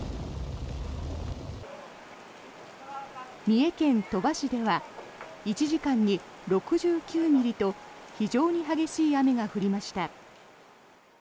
三重県鳥羽市では１時間に６９ミリと非常に激しい雨が降りました。